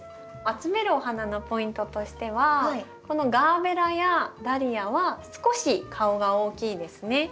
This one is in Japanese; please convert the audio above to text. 集めるお花のポイントとしてはこのガーベラやダリアは少し顔が大きいですね。